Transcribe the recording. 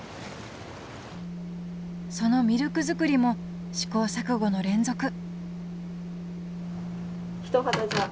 そのミルク作りも試行錯誤の連続